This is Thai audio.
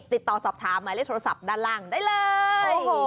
ติดต่อสอบถามหมายเลขโทรศัพท์ด้านล่างได้เลย